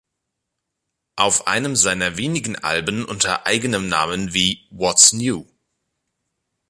Auf einem seiner wenigen Alben unter eigenem Namen wie "What's New?